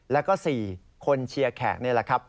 แล้วก็๔คนเชียร์แขกนี่แหละครับ